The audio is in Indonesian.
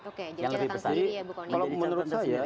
jadi kita datang sendiri ya bu kaunin kalau menurut saya